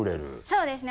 そうですね。